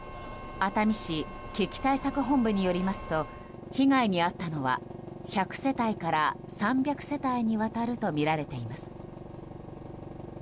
熱海市危機対策本部によりますと被害に遭ったのは１００世帯から３００世帯にわたるとみられています。